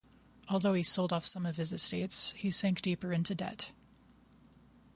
Although he sold off some of his estates, he sank deeper into debt.